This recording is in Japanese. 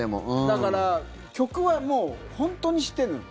だから曲はもう本当に知ってるのよ。